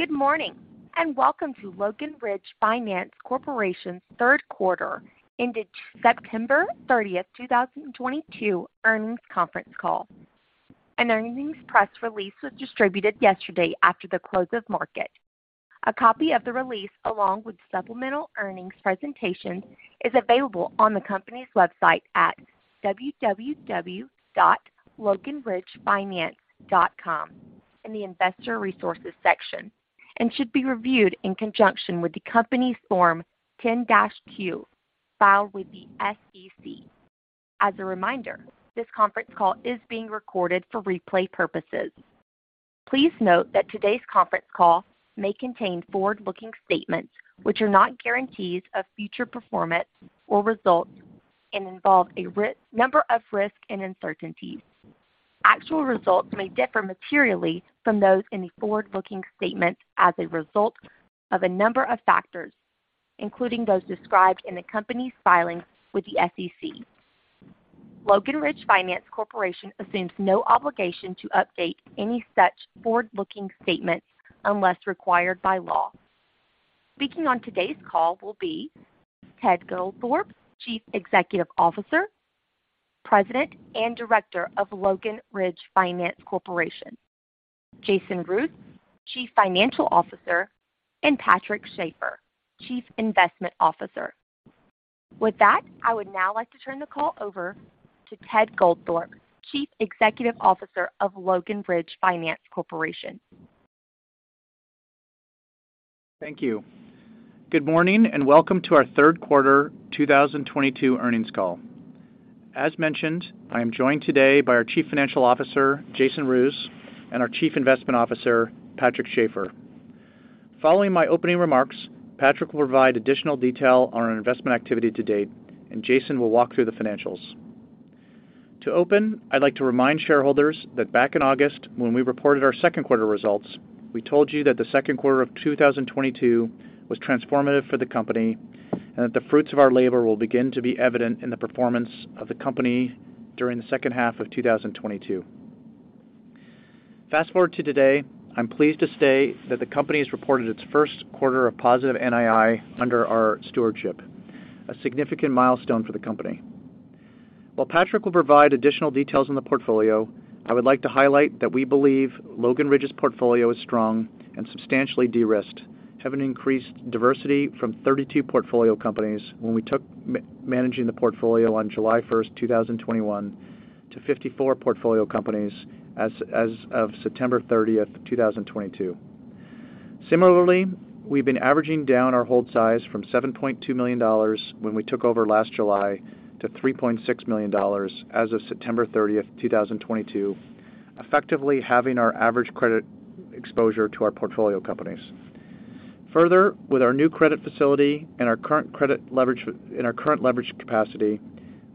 Good morning, and welcome to Logan Ridge Finance Corporation's third quarter ended September 30th, 2022 earnings conference call. An earnings press release was distributed yesterday after the close of market. A copy of the release, along with supplemental earnings presentation, is available on the company's website at www.loganridgefinance.com in the Investor Resources section and should be reviewed in conjunction with the company's Form 10-Q filed with the SEC. As a reminder, this conference call is being recorded for replay purposes. Please note that today's conference call may contain forward-looking statements which are not guarantees of future performance or results and involve a number of risks and uncertainties. Actual results may differ materially from those in the forward-looking statements as a result of a number of factors, including those described in the company's filings with the SEC. Logan Ridge Finance Corporation assumes no obligation to update any such forward-looking statements unless required by law. Speaking on today's call will be Ted Goldthorpe, Chief Executive Officer, President, and Director of Logan Ridge Finance Corporation, Jason Roos, Chief Financial Officer, and Patrick Schafer, Chief Investment Officer. With that, I would now like to turn the call over to Ted Goldthorpe, Chief Executive Officer of Logan Ridge Finance Corporation. Thank you. Good morning, and welcome to our third quarter 2022 earnings call. As mentioned, I am joined today by our Chief Financial Officer, Jason Roos, and our Chief Investment Officer, Patrick Schafer. Following my opening remarks, Patrick will provide additional detail on our investment activity to date, and Jason will walk through the financials. To open, I'd like to remind shareholders that back in August, when we reported our second quarter results, we told you that the second quarter of 2022 was transformative for the company and that the fruits of our labor will begin to be evident in the performance of the company during the second half of 2022. Fast-forward to today, I'm pleased to say that the company has reported its first quarter of positive NII under our stewardship, a significant milestone for the company. While Patrick will provide additional details on the portfolio, I would like to highlight that we believe Logan Ridge's portfolio is strong and substantially de-risked, having increased diversity from 32 portfolio companies when we took managing the portfolio on July 1st, 2021 to 54 portfolio companies as of September 30th, 2022. Similarly, we've been averaging down our hold size from $7.2 million when we took over last July to $3.6 million as of September 30th, 2022, effectively halving our average credit exposure to our portfolio companies. Further, with our new credit facility and our current credit leverage, and our current leverage capacity,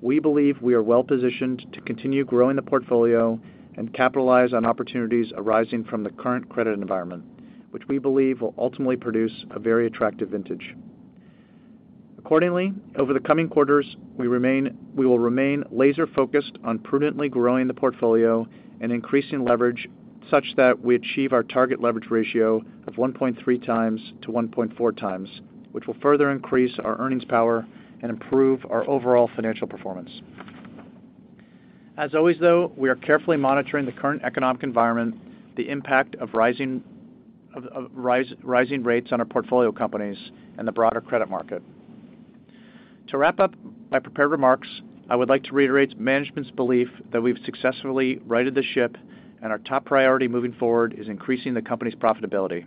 we believe we are well-positioned to continue growing the portfolio and capitalize on opportunities arising from the current credit environment, which we believe will ultimately produce a very attractive vintage. Accordingly, over the coming quarters, we will remain laser-focused on prudently growing the portfolio and increasing leverage such that we achieve our target leverage ratio of 1.3x to 1.4x, which will further increase our earnings power and improve our overall financial performance. As always, though, we are carefully monitoring the current economic environment, the impact of rising rates on our portfolio companies and the broader credit market. To wrap up my prepared remarks, I would like to reiterate management's belief that we've successfully righted the ship, and our top priority moving forward is increasing the company's profitability.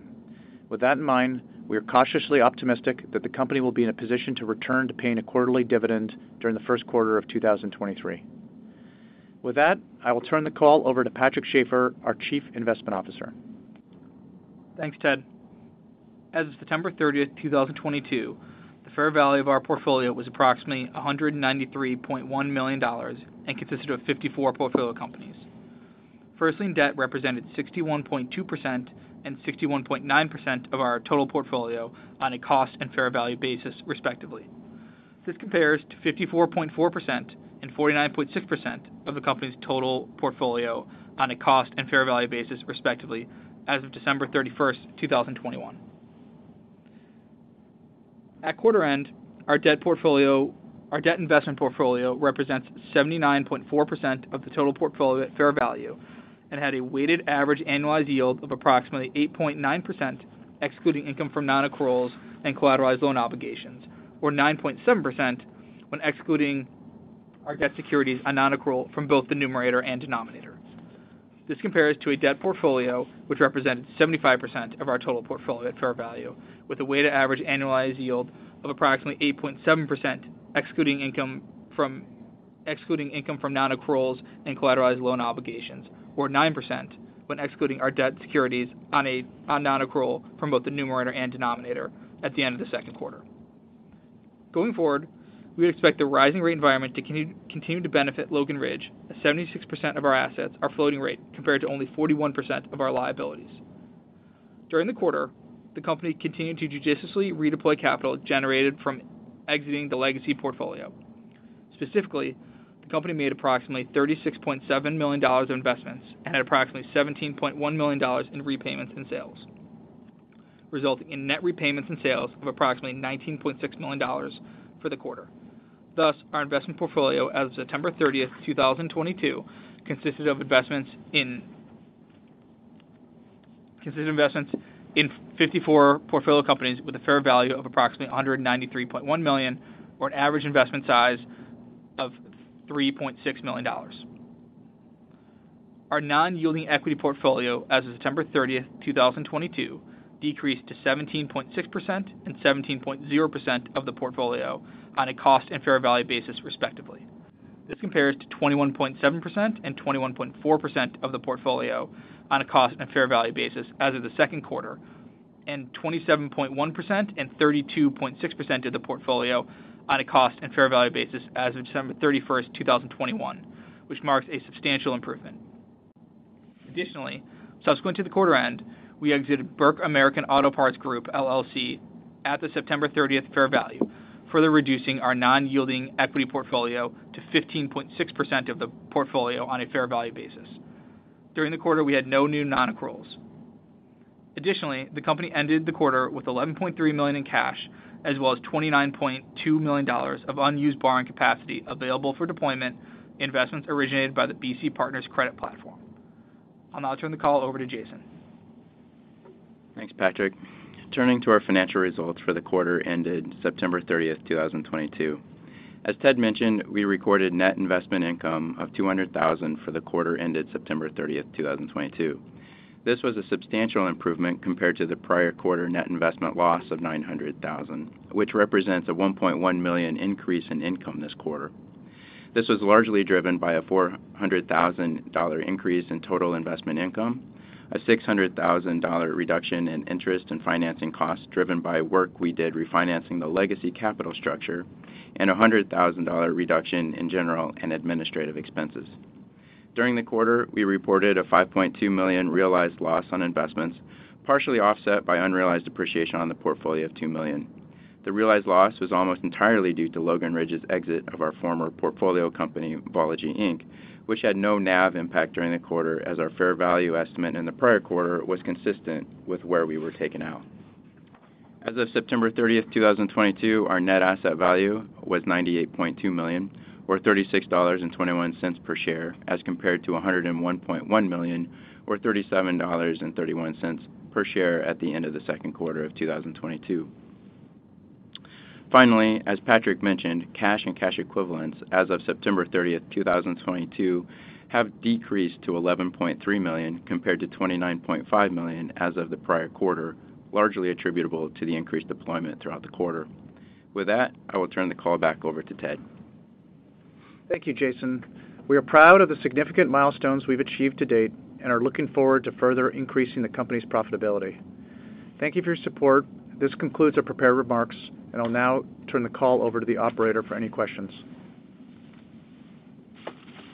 With that in mind, we are cautiously optimistic that the company will be in a position to return to paying a quarterly dividend during the first quarter of 2023. With that, I will turn the call over to Patrick Schafer, our Chief Investment Officer. Thanks, Ted. As of September 30th, 2022, the fair value of our portfolio was approximately $193.1 million and consisted of 54 portfolio companies. First-lien debt represented 61.2% and 61.9% of our total portfolio on a cost and fair value basis, respectively. This compares to 54.4% and 49.6% of the company's total portfolio on a cost and fair value basis, respectively, as of December 31st, 2021. At quarter end, our debt investment portfolio represents 79.4% of the total portfolio at fair value and had a weighted average annualized yield of approximately 8.9%, excluding income from non-accruals and collateralized loan obligations, or 9.7% when excluding our debt securities on non-accrual from both the numerator and denominator. This compares to a debt portfolio which represents 75% of our total portfolio at fair value, with a weighted average annualized yield of approximately 8.7%, excluding income from non-accruals and collateralized loan obligations, or 9% when excluding our debt securities on non-accrual from both the numerator and denominator at the end of the second quarter. Going forward, we would expect the rising rate environment to continue to benefit Logan Ridge, as 76% of our assets are floating-rate, compared to only 41% of our liabilities. During the quarter, the company continued to judiciously redeploy capital generated from exiting the legacy portfolio. Specifically, the company made approximately $36.7 million of investments and had approximately $17.1 million in repayments and sales, resulting in net repayments and sales of approximately $19.6 million for the quarter. Thus, our investment portfolio as of September 30th, 2022 consisted of investments in 54 portfolio companies with a fair value of approximately $193.1 million, or an average investment size of $3.6 million. Our non-yielding equity portfolio as of September 30th, 2022 decreased to 17.6% and 17.0% of the portfolio on a cost and fair value basis, respectively. This compares to 21.7% and 21.4% of the portfolio on a cost and fair value basis as of the second quarter, and 27.1% and 32.6% of the portfolio on a cost and fair value basis as of December 31st, 2021, which marks a substantial improvement. Additionally, subsequent to the quarter end, we exited Burke-America Parts Group, LLC at the September 30th fair value, further reducing our non-yielding equity portfolio to 15.6% of the portfolio on a fair value basis. During the quarter, we had no new non-accruals. Additionally, the company ended the quarter with $11.3 million in cash, as well as $29.2 million of unused borrowing capacity available for deployment, investments originated by the BC Partners credit platform. I'll now turn the call over to Jason. Thanks, Patrick. Turning to our financial results for the quarter ended September 30th, 2022. As Ted mentioned, we recorded net investment income of $200,000 for the quarter ended September 30th, 2022. This was a substantial improvement compared to the prior quarter net investment loss of $900,000, which represents a $1.1 million increase in income this quarter. This was largely driven by a $400,000 increase in total investment income, a $600,000 reduction in interest and financing costs driven by work we did refinancing the legacy capital structure, and a $100,000 reduction in general and administrative expenses. During the quarter, we reported a $5.2 million realized loss on investments, partially offset by unrealized appreciation on the portfolio of $2 million. The realized loss was almost entirely due to Logan Ridge's exit of our former portfolio company, Vology, Inc., which had no NAV impact during the quarter as our fair value estimate in the prior quarter was consistent with where we were taken out. As of September 30th, 2022, our net asset value was $98.2 million, or $36.21 per share, as compared to $101.1 million or $37.31 per share at the end of the second quarter of 2022. Finally, as Patrick mentioned, cash and cash equivalents as of September 30th, 2022 have decreased to $11.3 million compared to $29.5 million as of the prior quarter, largely attributable to the increased deployment throughout the quarter. With that, I will turn the call back over to Ted. Thank you, Jason. We are proud of the significant milestones we've achieved to date and are looking forward to further increasing the company's profitability. Thank you for your support. This concludes our prepared remarks, and I'll now turn the call over to the operator for any questions.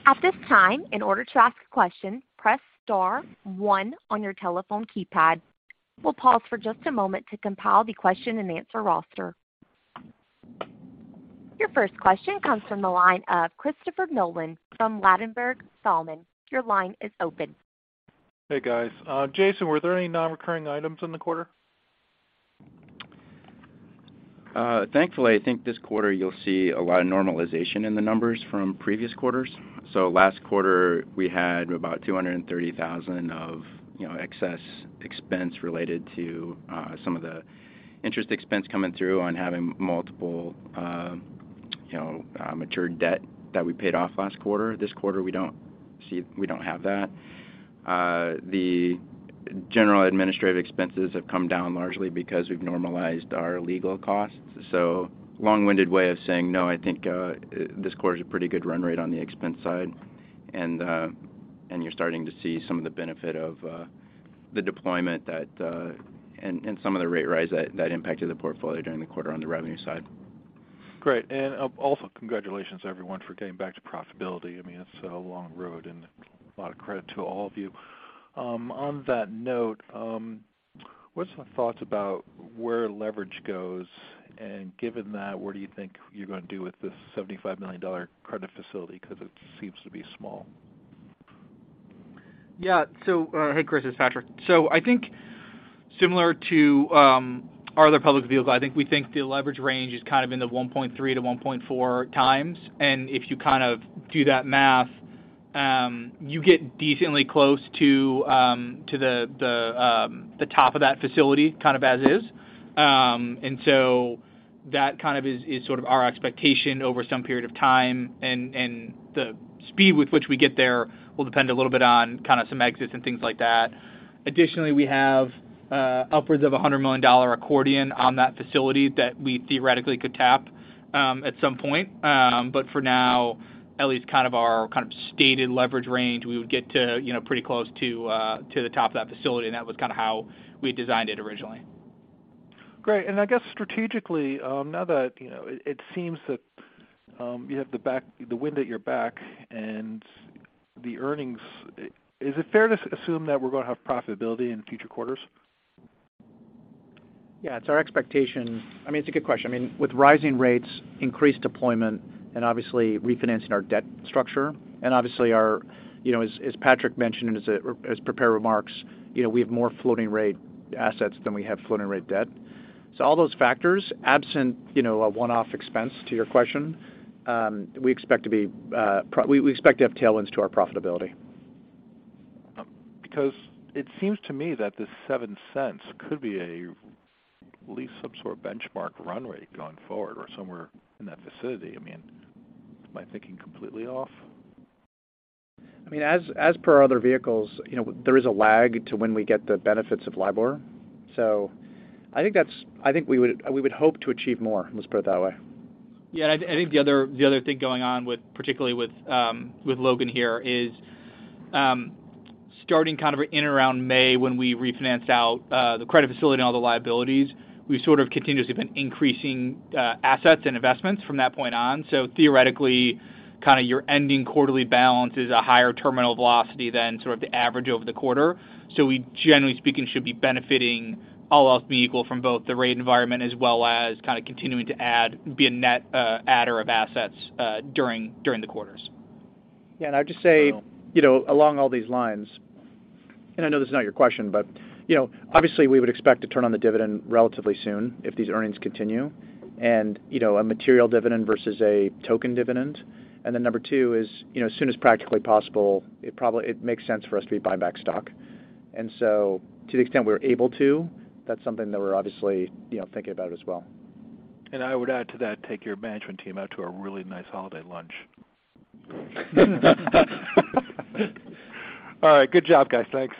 At this time, in order to ask a question, press star one on your telephone keypad. We'll pause for just a moment to compile the question and answer roster. Your first question comes from the line of Christopher Nolan from Ladenburg Thalmann. Your line is open. Hey, guys. Jason, were there any non-recurring items in the quarter? Thankfully, I think this quarter you'll see a lot of normalization in the numbers from previous quarters. Last quarter, we had about $230,000 of, you know, excess expense related to some of the interest expense coming through on having multiple, you know, matured debt that we paid off last quarter. This quarter, we don't have that. The general administrative expenses have come down largely because we've normalized our legal costs. Long-winded way of saying, no, I think this quarter is a pretty good run rate on the expense side. You're starting to see some of the benefit of the deployment that and some of the rate rise that impacted the portfolio during the quarter on the revenue side. Great. Also, congratulations, everyone, for getting back to profitability. I mean, it's a long road and a lot of credit to all of you. On that note, what's some thoughts about where leverage goes? Given that, what do you think you're gonna do with this $75 million credit facility? Because it seems to be small. Yeah. Hey, Chris, it's Patrick. I think similar to our other public deals, we think the leverage range is kind of in the 1.3x-1.4x. If you kind of do that math, you get decently close to the top of that facility kind of as is. That kind of is sort of our expectation over some period of time, and the speed with which we get there will depend a little bit on kinda some exits and things like that. Additionally, we have upwards of $100 million accordion on that facility that we theoretically could tap at some point. For now, at least kind of our kind of stated leverage range, we would get to, you know, pretty close to the top of that facility, and that was kinda how we designed it originally. Great. I guess strategically, now that, you know, it seems that you have the wind at your back and the earnings, is it fair to assume that we're gonna have profitability in future quarters? Yeah, it's our expectation. I mean, it's a good question. I mean, with rising rates, increased deployment, and obviously refinancing our debt structure, and obviously our, you know, as Patrick mentioned in his prepared remarks, you know, we have more floating rate assets than we have floating rate debt. So all those factors, absent, you know, a one-off expense to your question, we expect to have tailwinds to our profitability. Because it seems to me that this $0.07 could be at least some sort of benchmark run rate going forward or somewhere in that vicinity. I mean, am I thinking completely off? I mean, as per other vehicles, you know, there is a lag to when we get the benefits of LIBOR. I think we would hope to achieve more. Let's put it that way. Yeah. I think the other thing going on, particularly with Logan here is starting kind of in around May when we refinance out the credit facility and all the liabilities, we sort of continuously been increasing assets and investments from that point on. Theoretically, kinda your ending quarterly balance is a higher terminal velocity than sort of the average over the quarter. We generally speaking, should be benefiting all else being equal from both the rate environment as well as kind of continuing to add, be a net adder of assets during the quarters. Yeah. I'd just say, you know, along all these lines, and I know this is not your question, but, you know, obviously we would expect to turn on the dividend relatively soon if these earnings continue and, you know, a material dividend versus a token dividend. Number two is, you know, as soon as practically possible, it makes sense for us to be buying back stock. To the extent we're able to, that's something that we're obviously, you know, thinking about as well. I would add to that, take your management team out to a really nice holiday lunch. All right, good job, guys. Thanks.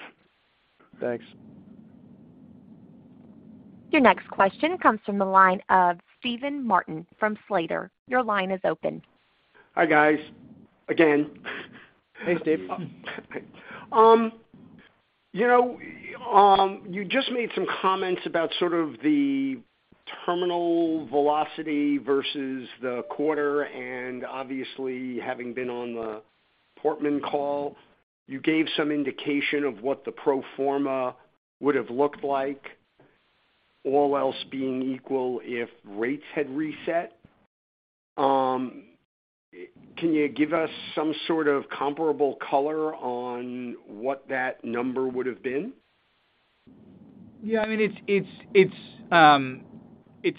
Thanks. Your next question comes from the line of Steven Martin from Slater. Your line is open. Hi, guys. Again. Hey, Steven. You know, you just made some comments about sort of the terminal velocity versus the quarter, and obviously having been on the Portman call, you gave some indication of what the pro forma would have looked like, all else being equal if rates had reset. Can you give us some sort of comparable color on what that number would have been? Yeah, I mean, it's a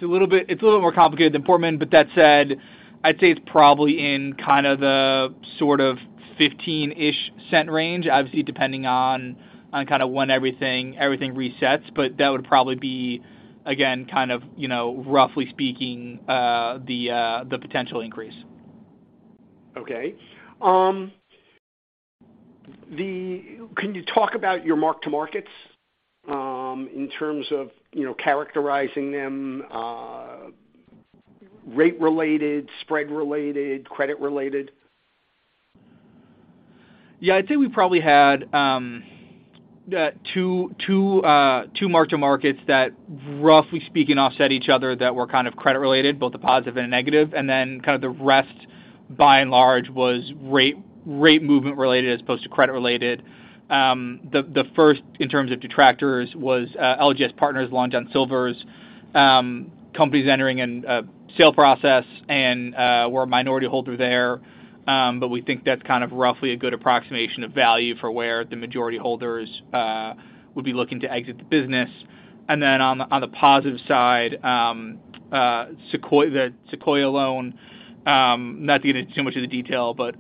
little more complicated than Portman, but that said, I'd say it's probably in kind of the sort of 15-ish cent range, obviously depending on kind of when everything resets. That would probably be, again, kind of, you know, roughly speaking, the potential increase. Can you talk about your mark-to-markets in terms of, you know, characterizing them rate-related, spread-related, credit-related? Yeah. I'd say we probably had two mark-to-markets that roughly speaking offset each other that were kind of credit-related, both the positive and negative. Kind of the rest, by and large, was rate movement-related as opposed to credit-related. The first in terms of detractors was LJS Partners, Long John Silver's companies entering into a sale process and we're a minority holder there. We think that's kind of roughly a good approximation of value for where the majority holders would be looking to exit the business. On the positive side, Sequoia, the Sequoia loan, not to get into too much of the detail, but,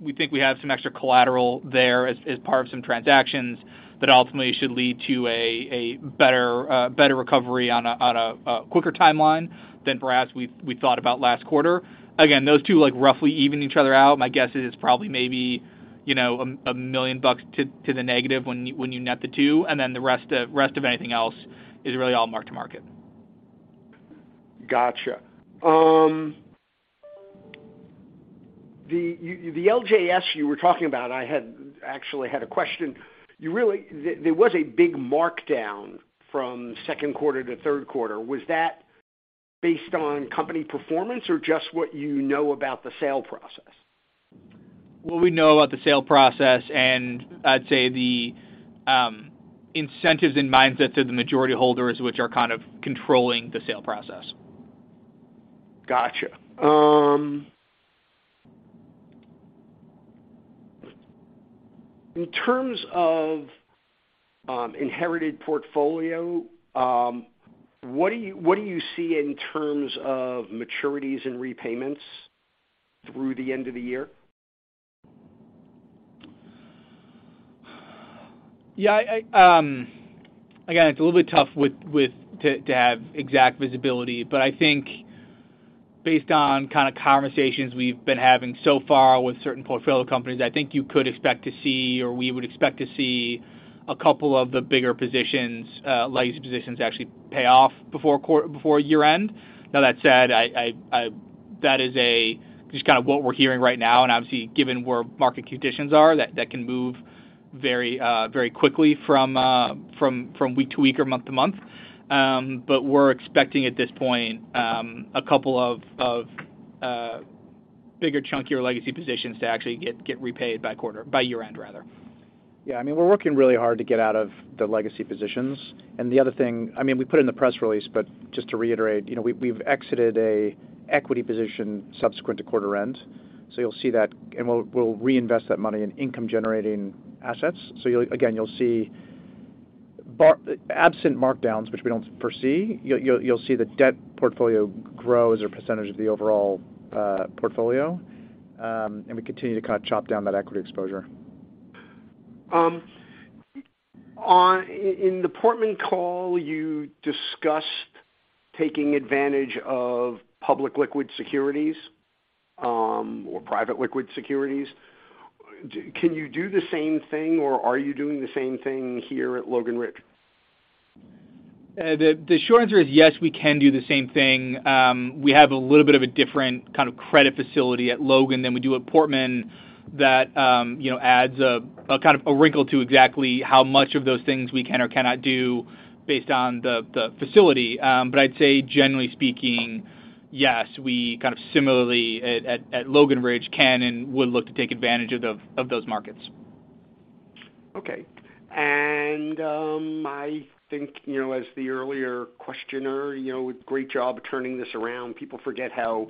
we think we have some extra collateral there as part of some transactions that ultimately should lead to a better recovery on a quicker timeline than perhaps we thought about last quarter. Again, those two, like, roughly even each other out. My guess is probably maybe, you know, $1 million to the negative when you net the two, and then the rest of anything else is really all mark-to-market. Gotcha. The LJS you were talking about, I had actually had a question. There was a big markdown from second quarter to third quarter. Was that based on company performance or just what you know about the sale process? What we know about the sale process, and I'd say the incentives and mindset to the majority holders, which are kind of controlling the sale process. Gotcha. In terms of inherited portfolio, what do you see in terms of maturities and repayments through the end of the year? Again, it's a little bit tough to have exact visibility, but I think based on kinda conversations we've been having so far with certain portfolio companies, I think you could expect to see, or we would expect to see a couple of the bigger positions, legacy positions actually pay off before year-end. Now, that said, that's just kinda what we're hearing right now and obviously given where market conditions are, that can move very quickly from week to week or month to month. But we're expecting at this point, a couple of bigger chunk of your legacy positions to actually get repaid by year-end, rather. Yeah. I mean, we're working really hard to get out of the legacy positions. The other thing, I mean, we put in the press release, but just to reiterate, you know, we've exited an equity position subsequent to quarter end. You'll see that, and we'll reinvest that money in income-generating assets. You'll see, again, absent markdowns, which we don't foresee. You'll see the debt portfolio grow as a percentage of the overall portfolio, and we continue to chop down that equity exposure. In the Portman call, you discussed taking advantage of public liquid securities or private liquid securities. Can you do the same thing, or are you doing the same thing here at Logan Ridge? The short answer is yes, we can do the same thing. We have a little bit of a different kind of credit facility at Logan Ridge than we do at Portman Ridge that, you know, adds a kind of a wrinkle to exactly how much of those things we can or cannot do based on the facility. I'd say generally speaking, yes, we kind of similarly at Logan Ridge can and would look to take advantage of those markets. Okay. I think, you know, as the earlier questioner, you know, great job turning this around. People forget how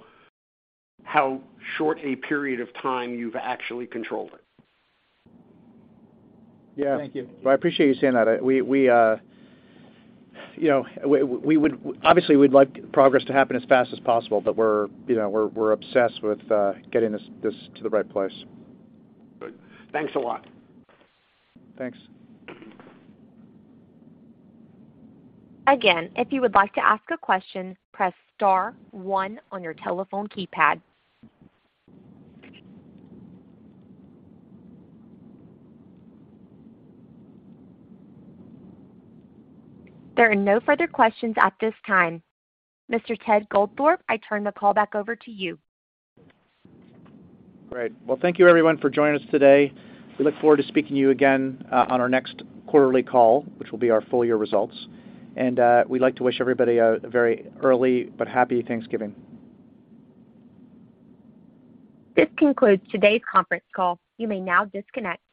short a period of time you've actually controlled it. Yeah. Thank you. Well, I appreciate you saying that. You know, we would obviously like progress to happen as fast as possible, but you know, we're obsessed with getting this to the right place. Good. Thanks a lot. Thanks. Again, if you would like to ask a question, press star one on your telephone keypad. There are no further questions at this time. Mr. Ted Goldthorpe, I turn the call back over to you. Great. Well, thank you everyone for joining us today. We look forward to speaking to you again on our next quarterly call, which will be our full year results. We'd like to wish everybody a very early but happy Thanksgiving. This concludes today's conference call. You may now disconnect.